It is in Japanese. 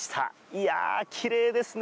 いやあ、きれいですね。